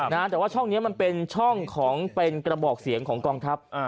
แต่ว่าช่องนี้มันเป็นช่องของเป็นกระบอกเสียงของกองทัพ